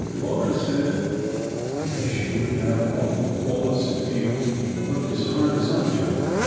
Laura said, "I guess you would have awful paws if you worked as hard as I do."